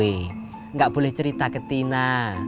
tidak boleh cerita ke tina